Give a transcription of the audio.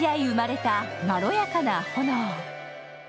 生まれたまろやかな炎。